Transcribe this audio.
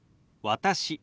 「私」。